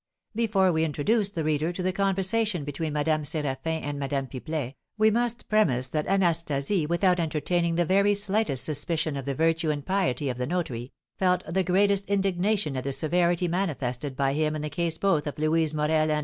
Before we introduce the reader to the conversation between Madame Séraphin and Madame Pipelet, we must premise that Anastasie, without entertaining the very slightest suspicion of the virtue and piety of the notary, felt the greatest indignation at the severity manifested by him in the case both of Louise Morel and M.